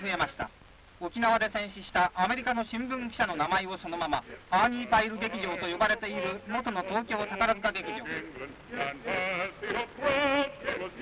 沖縄で戦死したアメリカの新聞記者の名前をそのままアーニーパイル劇場と呼ばれている元の東京宝塚劇場」。